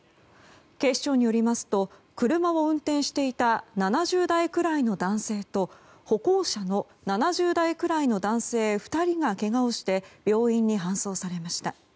警視庁によりますと車を運転していた７０代くらいの男性と歩行者の７０代くらいの男性２人がけがをして病院に搬送されました。